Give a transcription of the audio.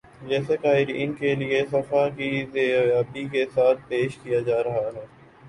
جسے قارئین کے لیے صفحہ کی زیبائی کے ساتھ پیش کیا جارہاہے